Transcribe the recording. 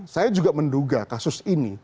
saya juga menduga kasus ini